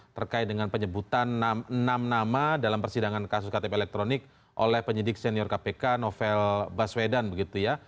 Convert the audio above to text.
terkait dengan penyebutan enam nama dalam persidangan kasus ktp elektronik oleh penyidik senior kpk novel baswedan begitu ya